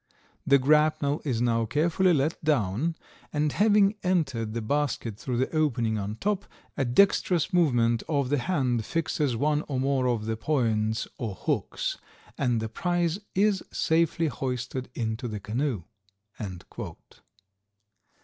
The grapnel is now carefully let down, and having entered the basket through the opening on top, a dextrous movement of the hand fixes one or more of the points or hooks and the prize is safely hoisted into the canoe."